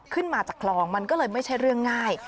ขึ้นมาจากคลองมันก็เลยไม่ใช่เรื่องง่าย